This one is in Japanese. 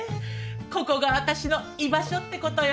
ここが私の居場所って事よ。